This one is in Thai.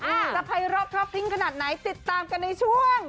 จะภัยรอบครอบพริ้งขนาดไหนติดตามกันในช่วง